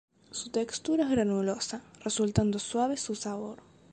Su textura es granulosa, resultando suave su sabor.